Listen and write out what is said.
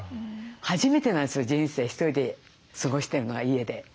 初めてなんですよ人生ひとりで過ごしてるのが家で。